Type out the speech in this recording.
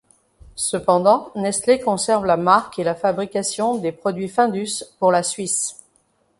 Cependant Nestlé conserve la marque et la fabrication des produits Findus pour la Suisse.